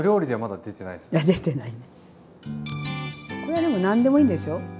これでも何でもいいんですよ。